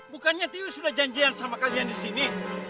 bukannya tiwi sudah janjian sama kalian disini